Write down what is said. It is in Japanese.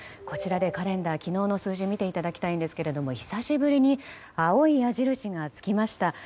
こちらでカレンダー昨日の数字を見ていただきたいんですが久しぶりに青い矢印がつきました。